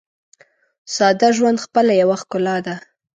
ساده ژوند خپله یوه ښکلا ده.